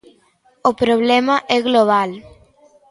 O problema é global.